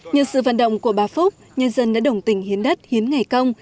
nhờ sự vận động của bà phúc nhân dân đã đồng tình hiến đất hiến ngày công